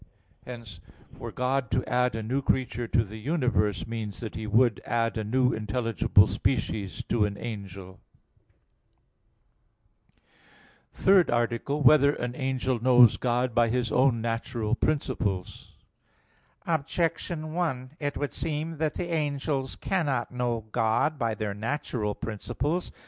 Hence, for God to add a new creature to the universe, means that He would add a new intelligible species to an angel. _______________________ THIRD ARTICLE [I, Q. 56, Art. 3] Whether an Angel Knows God by His Own Natural Principles? Objection 1: It would seem that the angels cannot know God by their natural principles.